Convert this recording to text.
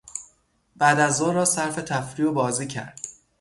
بعدازظهر را صرف تفریح و بازی کرد.